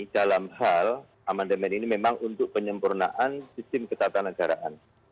dalam hal amandemen ini memang untuk penyempurnaan sistem ketatanegaraan